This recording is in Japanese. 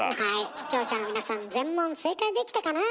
視聴者の皆さん全問正解できたかな？